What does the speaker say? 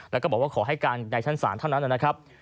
แล้วก็บอกว่าขอให้การในชั้นศาลเท่านั้นนะครับ